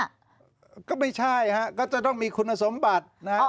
ก็ไม่ใช่ฮะก็จะต้องมีคุณสมบัตินะฮะ